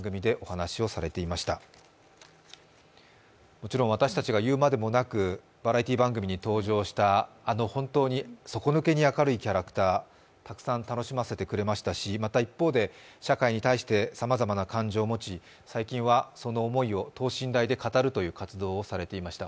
もちろん私たちが言うまでもなくバラエティー番組に登場したあの本当に底抜けに明るいキャラクター、たくさん楽しませてくれましたし、また一方で、社会に対してさまざまな感情を持ち最近はその思いを等身大で語るという活動をされていました。